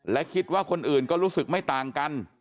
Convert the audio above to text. และคิดว่าคนอื่นก็รู้สึกไม่ต่างกัน